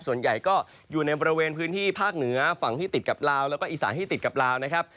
ส่วนใหญ่ก็อยู่ในบริเวณพื้นที่ภาคเหนือฝั่งที่ติดกับลาวแล้วก็อีสานที่ติดกับลาวนะครับ